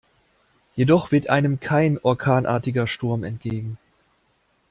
Jedoch weht einem kein orkanartiger Sturm entgegen.